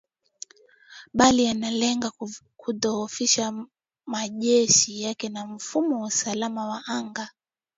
bali yanalenga kudhoofisha majeshi yake na mfumo wa usalama wa anga